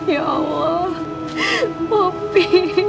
ya allah popi